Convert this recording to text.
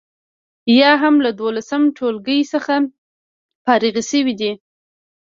یا هم له دولسم ټولګي څخه فارغې شوي دي.